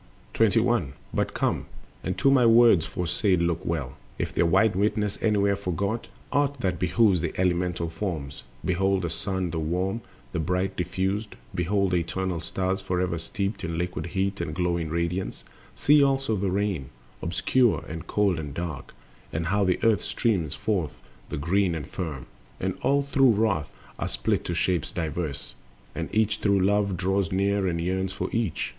From the Elements is All We See. 21. But come, and to my words foresaid look well, If their wide witness anywhere forgot Aught that behooves the elemental forms: Behold the Sun, the warm, the bright diffused; Behold the eternal Stars, forever steeped In liquid heat and glowing radiance; see Also the Rain, obscure and cold and dark, And how from Earth streams forth the Green and Firm. And all through Wrath are split to shapes diverse; And each through Love draws near and yearns for each.